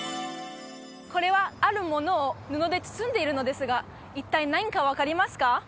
これはあるものを布で包んでいるのですが一体何か分かりますか？